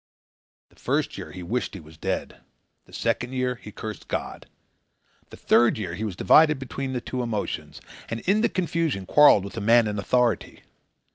The first year he wished he was dead. The second year he cursed God. The third year he was divided between the two emotions, and in the confusion quarrelled with a man in authority.